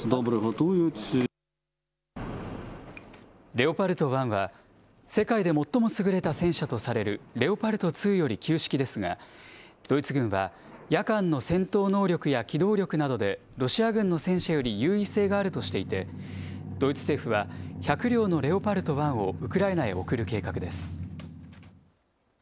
レオパルト１は、世界で最も優れた戦車とされるレオパルト２より旧式ですが、ドイツ軍は、夜間の戦闘能力や機動力などで、ロシア軍の戦車より優位性があるとしていて、ドイツ政府は１００両のレオパルト１をウクライナへ送る計画です。